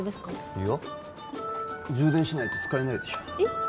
いや充電しないと使えないでしょえっ